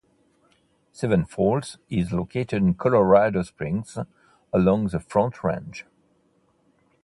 Seven Falls is located in Colorado Springs along the Front Range.